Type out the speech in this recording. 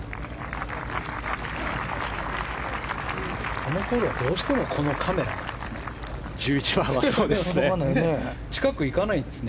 このホールは、どうしてもこのカメラなんですね。